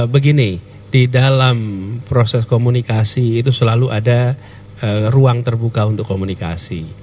dan begini di dalam proses komunikasi itu selalu ada ruang terbuka untuk komunikasi